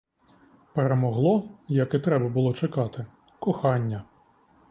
Перемогло, як і треба було чекати — кохання.